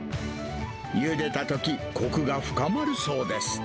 ゆでたとき、こくが深まるそうです。